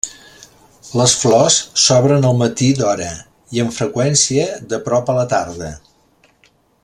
Les flors s'obren al matí d'hora i amb freqüència de prop a la tarda.